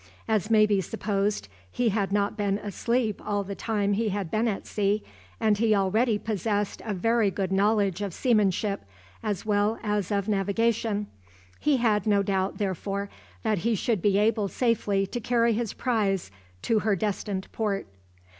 As may be supposed, he had not been asleep all the time he had been at sea, and he already possessed a very good knowledge of seamanship, as well as of navigation. He had no doubt, therefore, that he should be able safely to carry his prize to her destined port.